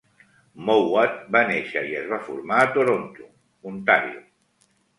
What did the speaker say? Mowat va néixer i es va formar a Toronto, Ontario.